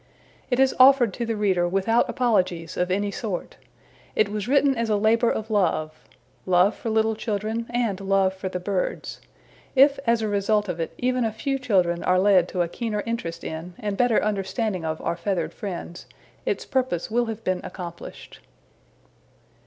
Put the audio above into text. It is offered to the reader without apologies of any sort. It was written as a labor of love love for little children and love for the birds. If as a result of it even a few children are led to a keener interest in and better understanding of our feathered friends, its purpose will have been accomplished.